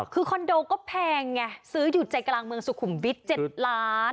คือคอนโดก็แพงไงซื้ออยู่ใจกลางเมืองสุขุมวิทย์๗ล้าน